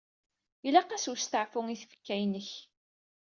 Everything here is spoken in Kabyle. Ilaq-as westaɛfu i tfekka-inek.